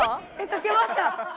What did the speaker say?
かけました。